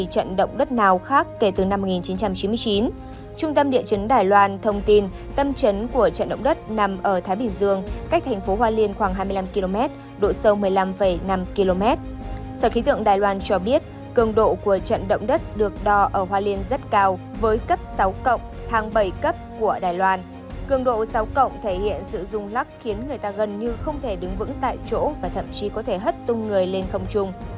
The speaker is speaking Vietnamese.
cường độ sáu cộng thể hiện sự rung lắc khiến người ta gần như không thể đứng vững tại chỗ và thậm chí có thể hất tung người lên không trùng